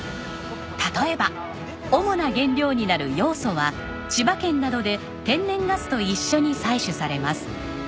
例えば主な原料になるヨウ素は千葉県などで天然ガスと一緒に採取されます。